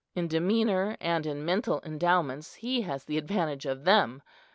In demeanour and in mental endowments he has the advantage of them.